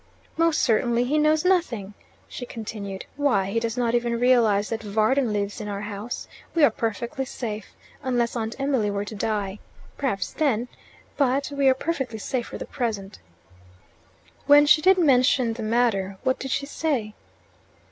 "Most certainly he knows nothing," she continued. "Why, he does not even realize that Varden lives in our house! We are perfectly safe unless Aunt Emily were to die. Perhaps then but we are perfectly safe for the present." "When she did mention the matter, what did she say?"